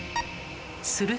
すると。